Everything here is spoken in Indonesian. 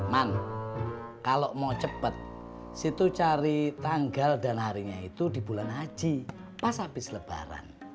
man kalau mau cepat situ cari tanggal dan harinya itu di bulan haji pas habis lebaran